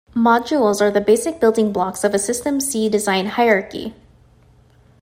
Modules are the basic building blocks of a SystemC design hierarchy.